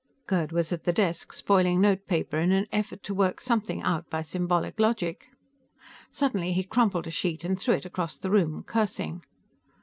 Gerd was at the desk, spoiling notepaper in an effort to work something out by symbolic logic. Suddenly he crumpled a sheet and threw it across the room, cursing.